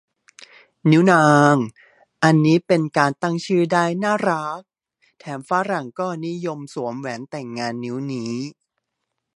นิ้วนาง อันนี้เป็นการตั้งชื่อได้น่ารัก แถมฝรั่งก็นิยมสวมแหวนแต่งงานนิ้วนี้